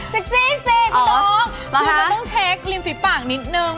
เซ็กซี่สิคุณน้องคุณก็ต้องเช็กริมฟิบปากนิดนึง